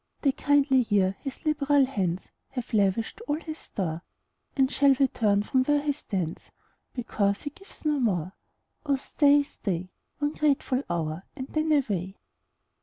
36 POEMS. The kindly year, his liberal hands Have lavished all his store. And shall we turn from where he stands, Because he gives no more? Oh stay, oh stay, One grateful hotir, and then away.